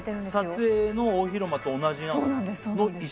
撮影の大広間と同じの石？